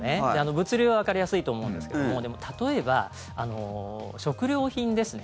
物流はわかりやすいと思うんですが例えば食料品ですね。